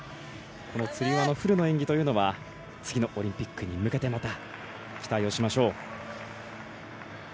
つり輪のフルの演技というのは次のオリンピックに向けてまた期待をしましょう。